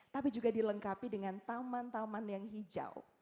tapi juga dilengkapi dengan taman taman yang hijau